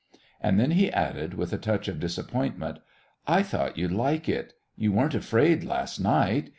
And then he added, with a touch of disappointment: "I thought you'd like it. You weren't afraid last night.